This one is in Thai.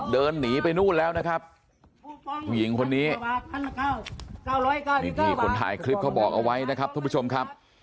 เดินหนีไปนู่นแล้วนะครับผู้หญิงคนนี้นี่ที่คนถ่ายคลิปเขาบอกเอาไว้นะครับทุกผู้ชมครับ